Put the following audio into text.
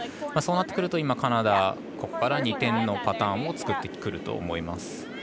そうなってくるとカナダはここから２点のパターンを作ってくると思います。